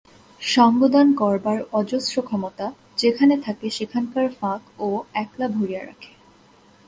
সঙ্গদান করবার অজস্র ক্ষমতা, যেখানে থাকে সেখানকার ফাঁক ও একলা ভরিয়ে রাখে।